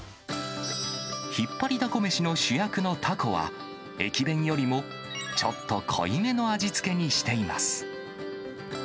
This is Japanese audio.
ひっぱりだこ飯の主役のタコは、駅弁よりもちょっと濃いめの味付けにしています。